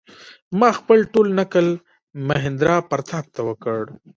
ما خپل ټول نکل مهیندراپراتاپ ته وکړ.